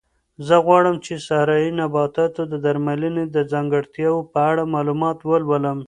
زه غواړم چې د صحرایي نباتاتو د درملنې د ځانګړتیاوو په اړه معلومات ولولم.